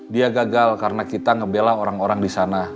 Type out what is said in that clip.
dia gagal karena kita ngebela orang orang di sana